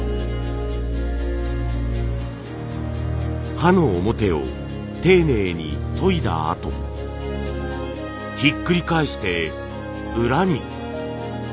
刃の表を丁寧に研いだあとひっくり返して裏に。